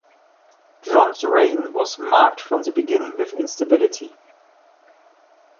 John's reign was marked from the beginning with instability.